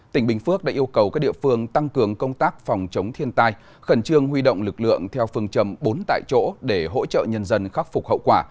tỉnh bình phước đã yêu cầu các địa phương tăng cường công tác phòng chống thiên tai khẩn trương huy động lực lượng theo phương châm bốn tại chỗ để hỗ trợ nhân dân khắc phục hậu quả